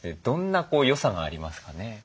どんな良さがありますかね？